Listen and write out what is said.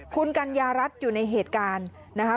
คุณกัญญารัฐอยู่ในเหตุการณ์นะคะ